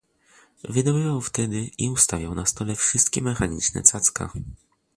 "Wydobywał wtedy i ustawiał na stole wszystkie mechaniczne cacka."